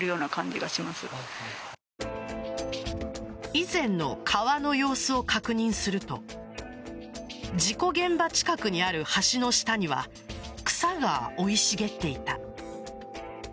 以前の川の様子を確認すると事故現場近くにある橋の下には草が生い茂っていた。